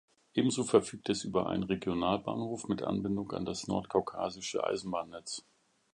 Ebenso verfügt es über einen Regionalbahnhof mit Anbindung an das nordkaukasische Eisenbahnnetz.